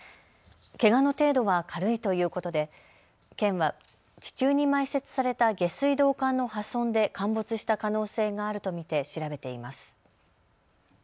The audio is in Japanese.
けがの程度は軽いということで県は地中に埋設された下水道管の破損で陥没した可能性があると見て調べています。